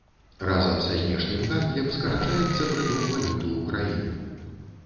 Разам са знешнім гандлем скарачаецца прыток валюты ў краіну.